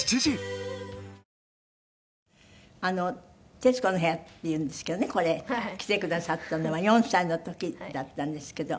『徹子の部屋』っていうんですけどねこれ。来てくださったのは４歳の時だったんですけど。